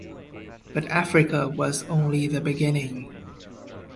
But Africa was only the beginning.